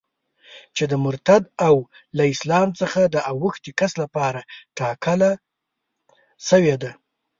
چي د مرتد او له اسلام څخه د اوښتي کس لپاره ټاکله سوې ده.